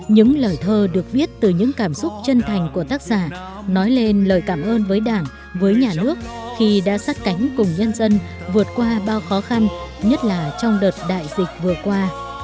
những lời thơ được viết từ những cảm xúc chân thành của tác giả nói lên lời cảm ơn với đảng với nhà nước khi đã sát cánh cùng nhân dân vượt qua bao khó khăn nhất là trong đợt đại dịch vừa qua